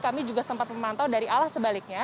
kami juga sempat memantau dari alas sebaliknya